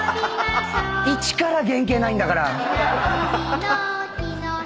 一から原形ないんだから。